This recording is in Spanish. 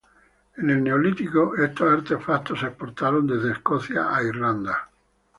En el Neolítico estos artefactos se exportaron desde Escocia a Irlanda.